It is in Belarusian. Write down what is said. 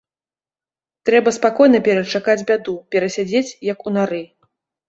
Трэба спакойна перачакаць бяду, перасядзець, як у нары.